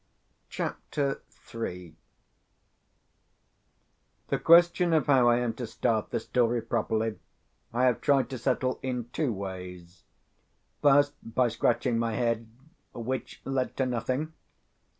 CHAPTER III The question of how I am to start the story properly I have tried to settle in two ways. First, by scratching my head, which led to nothing.